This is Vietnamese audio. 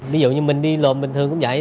ví dụ như mình đi lộn bình thường cũng vậy